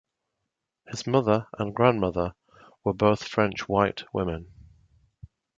His mother and grandmother were both French "white" women.